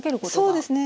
そうですね。